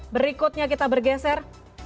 berikutnya kita bergeser